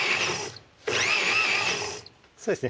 そうですね